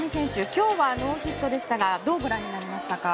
今日はノーヒットでしたがどうご覧になりましたか？